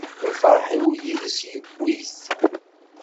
Lferḥ-iw yid-s yewwi-t.